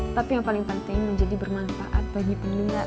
tapi yang paling penting menjadi bermanfaat bagi penunda